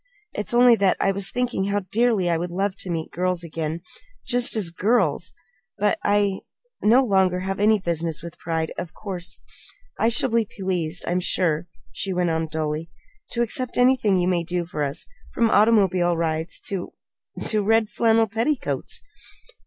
It's only that I was thinking how dearly I would love to meet girls again just as girls! But I no longer have any business with pride, of course. I shall be pleased, I'm sure," she went on dully, "to accept anything you may do for us, from automobile rides to to red flannel petticoats."